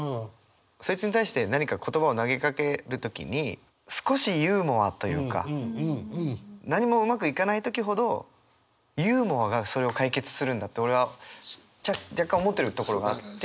そいつに対して何か言葉を投げかける時に少しユーモアというか何もうまくいかない時ほどユーモアがそれを解決するんだって俺は若干思ってるところがあって。